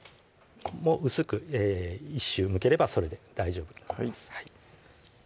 薄く１周むければそれで大丈夫になります